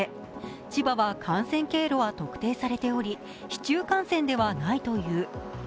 千葉は感染経路は特定されており市中感染ではないという。